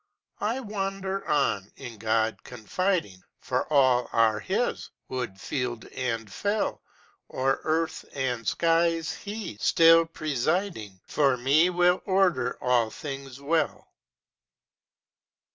"I wander on, in God confiding, For all are His, wood, field, and fell; O'er earth and skies He, still presiding, For me will order all things well."